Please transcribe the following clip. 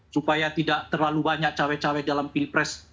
supaya tidak terlalu banyak cewek cewek dalam pilpres